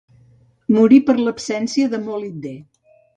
Morir per l'absència de molibdè.